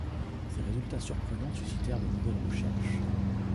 Ces résultats surprenants suscitèrent de nouvelles recherches.